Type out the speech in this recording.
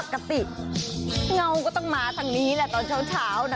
ปกติเงาก็ต้องมาทางนี้แหละตอนเช้านะ